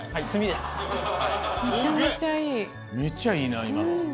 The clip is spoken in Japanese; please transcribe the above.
めっちゃイイな今の。